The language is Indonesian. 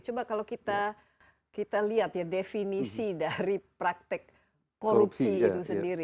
coba kalau kita lihat ya definisi dari praktek korupsi itu sendiri